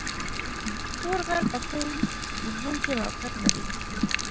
تور غر په کوم زون کې موقعیت لري؟